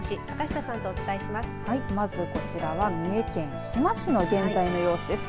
まずこちらは三重県志摩市の現在の様子です。